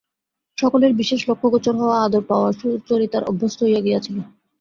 সকলের বিশেষ লক্ষগোচর হওয়া, আদর পাওয়া সুচরিতার অভ্যস্ত হইয়া গিয়াছিল।